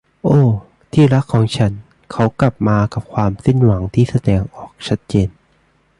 โอ้ ที่รักของฉัน เขากลับมากับความสิ้นหวังที่แสดงออกชัดเจน